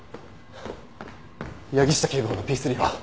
八木下警部補のＰⅢは？